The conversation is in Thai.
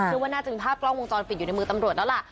ว่าน่าจะมีภาพกล้องวงจรปิดอยู่ในมือตำรวจแล้วล่ะ